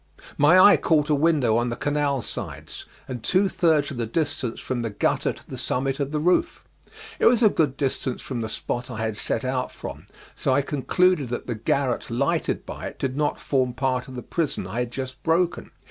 My eye caught a window on the canal sides, and two thirds of the distance from the gutter to the summit of the roof. It was a good distance from the spot I had set out from, so I concluded that the garret lighted by it did not form part of the prison I had just broken.